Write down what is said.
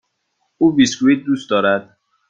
او بیسکوییت دوست دارد.